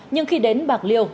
nhưng khi đến bạc liêu